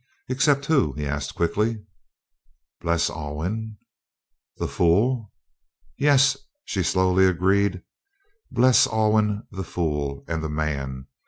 "Except who?" he asked quickly. "Bles Alwyn." "The fool!" "Yes," she slowly agreed. "Bles Alwyn, the Fool and the Man.